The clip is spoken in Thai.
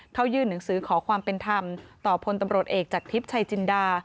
ยื่นหนังสือขอความเป็นธรรมต่อพลตำรวจเอกจากทิพย์ชัยจินดา